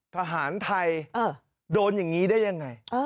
ทหารไทยโดนอย่างนี้ได้ยังไง